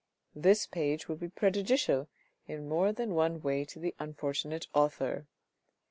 This page will be prejudicial in more than one way to the unfortunate author.